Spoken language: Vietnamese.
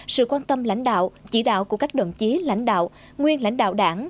sự quan tâm lãnh đạo chỉ đạo của các đồng chí lãnh đạo nguyên lãnh đạo đảng